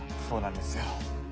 そうなんですよ。